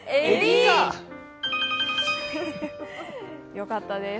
よかったです。